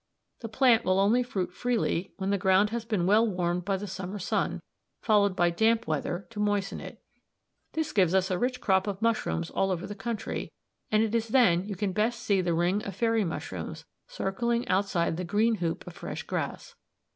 The plant will only fruit freely when the ground has been well warmed by the summer sun, followed by damp weather to moisten it. This gives us a rich crop of mushrooms all over the country, and it is then you can best see the ring of fairy mushrooms circling outside the green hoop of fresh grass.